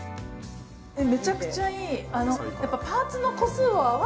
めちゃくちゃいい！